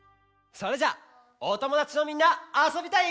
それじゃおともだちのみんなあそびたい？